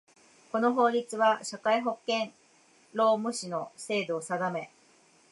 この法律は、社会保険労務士の制度を定め